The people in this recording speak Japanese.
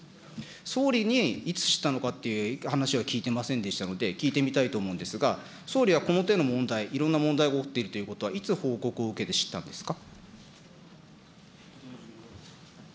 総理にいつ知ったのかという話は聞いてませんでしたけれども、聞いてみたいと思うんですが、総理はこの手の問題、いろんな問題が起きているということは、いつ報告を受けて知ったんですか。